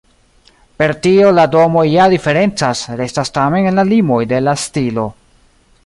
Per tio la domoj ja diferencas, restas tamen en la limoj de la stilo.